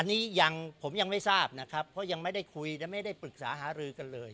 อันนี้ยังผมยังไม่ทราบนะครับเพราะยังไม่ได้คุยและไม่ได้ปรึกษาหารือกันเลย